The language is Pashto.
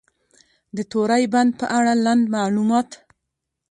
د توری بند په اړه لنډ معلومات: